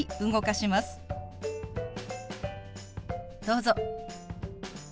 どうぞ。